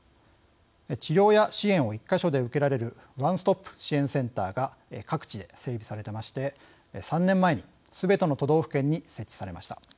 治療や支援を１か所で受けられるワンストップ支援センターが各地で整備されていまして３年前にすべての都道府県に設置されました。